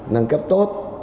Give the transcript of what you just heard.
nâng cấp tốt